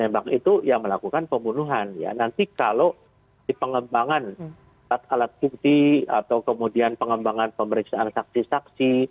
tembak itu yang melakukan pembunuhan ya nanti kalau di pengembangan alat bukti atau kemudian pengembangan pemeriksaan saksi saksi